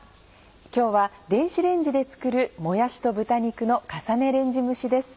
今日は電子レンジで作る「もやしと豚肉の重ねレンジ蒸し」です。